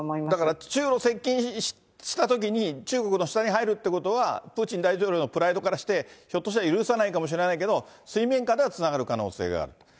だから中ロ接近したときに中国の下に入るってことは、プーチン大統領のプライドからして、ひょっとしたら許せないかもしれないけど、水面下ではつながる可能性がある。